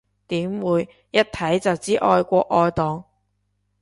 點會，一睇就知愛國愛黨